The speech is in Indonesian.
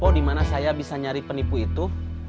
oh di mana saya bisa nyari penipu itu